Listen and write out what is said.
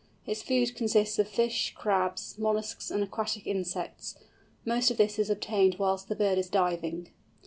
Its food consists of fish, crabs, molluscs, and aquatic insects. Most of this is obtained whilst the bird is diving.